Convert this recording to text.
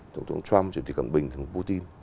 tổng thống trump chủ tịch cẩm bình tổng thống putin